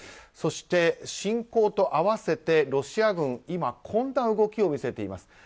そして、侵攻と合わせてロシア軍は今こんな動きを見せています。